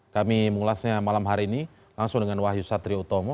kami mengulasnya malam hari ini langsung dengan wahyu satria utomo